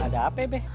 ada apa be